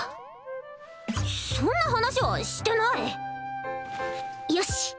そんな話はしてないよし！